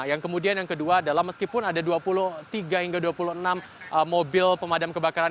yang kemudian yang kedua adalah meskipun ada dua puluh tiga hingga dua puluh enam mobil pemadam kebakaran